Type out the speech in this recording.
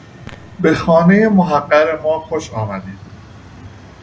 به خانهی محقر ما خوش آمدید.